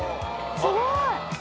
すごい！